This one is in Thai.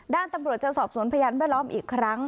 ด้านตำรวจจะสอบสวนพยานแวดล้อมอีกครั้ง